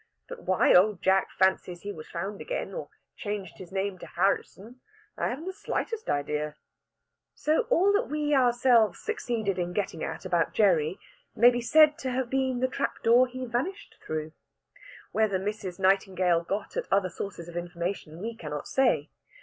But why old Jack fancies he was found again or changed his name to Harrisson I haven't the slightest idea." So that all we ourselves succeeded in getting at about Gerry may be said to have been the trap door he vanished through. Whether Mrs. Nightingale got at other sources of information we cannot say.